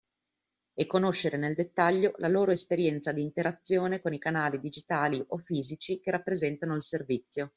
E conoscere nel dettaglio la loro esperienza di interazione con i canali digitali o fisici che rappresentano il servizio